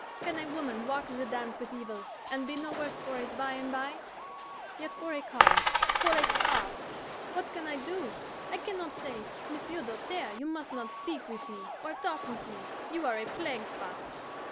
Can a woman walk the dance with evil, and be no worse for it by and bye? Yet for a cause, for a cause! What can I do? I can not say, "Monsieur Doltaire, you must not speak with me, or talk with me; you are a plague spot."